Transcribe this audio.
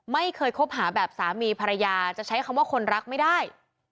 ไม่เคยคบหาแบบสามีภรรยาจะใช้คำว่าคนรักไม่ได้